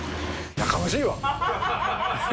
やかましいわ！